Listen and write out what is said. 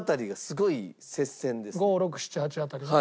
５６７８辺りが？